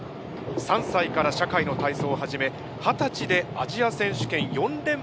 ３歳から社会の体操を始め二十歳でアジア選手権４連覇を達成。